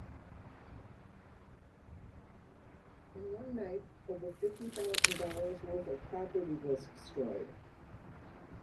In one night over fifty thousand dollars' worth of property was destroyed.